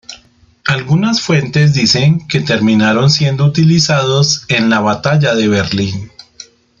Algunas fuentes dicen que terminaron siendo utilizados en la Batalla de Berlín.